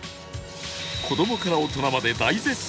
子どもから大人まで大絶賛